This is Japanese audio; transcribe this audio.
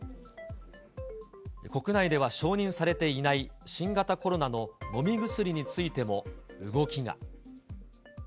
国内では承認されていない新型コロナの飲み薬についても動きが。